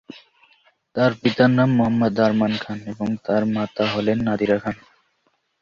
তার পিতার নাম মোহাম্মদ আরমান খান এবং তার মাতা হলেন নাদিরা খান।